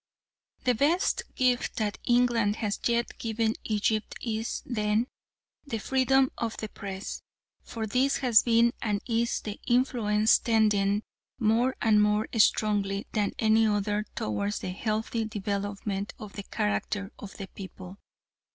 The best gift that England has yet given Egypt is, then, the freedom of the Press, for this has been and is the influence tending more and more strongly than any other towards the healthy development of the character of the people.